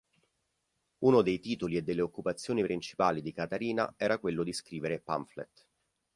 Uno dei titoli e delle occupazioni principali di Katharina era quello di scrivere pamphlet.